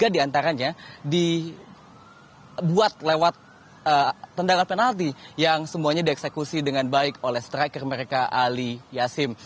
tiga diantaranya dibuat lewat tendangan penalti yang semuanya dieksekusi dengan baik oleh striker mereka ali yasin